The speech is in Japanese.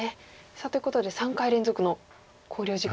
さあということで３回連続の考慮時間ということで。